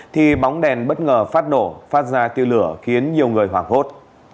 thì bóng đèn bất ngờ phát nổ phát ra tiêu lửa khiến nhiều người hoảng hốt